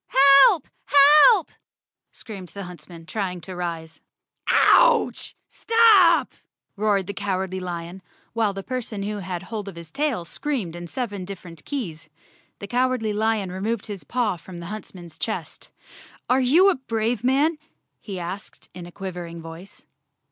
"Help! Help!" screamed the huntsman, trying to rise. "Ouch, Stop!" roared the Cowardly Lion, while the person who had hold of his tail screamed in seven dif¬ ferent keys. The Cowardly Lion removed his paw from the huntsman's chest. "Are you a brave man?" he asked in a quavering voice.